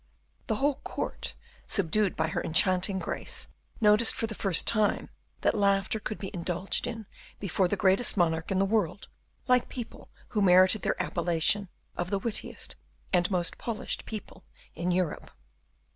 The whole court, subdued by her enchanting grace, noticed for the first time that laughter could be indulged in before the greatest monarch in the world, like people who merited their appellation of the wittiest and most polished people in Europe.